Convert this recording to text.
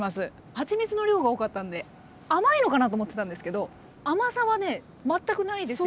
はちみつの量が多かったので甘いのかなと思ってたんですけど甘さはね全くないですよ。